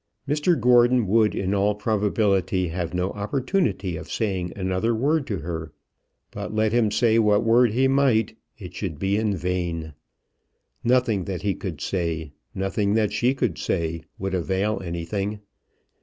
Mr Gordon would in all probability have no opportunity of saying another word to her. But let him say what word he might, it should be in vain. Nothing that he could say, nothing that she could say, would avail anything.